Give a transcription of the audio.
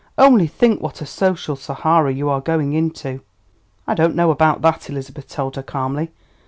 "Only think what a social Sahara you are going into!" "I don't know about that," Elizabeth told her calmly.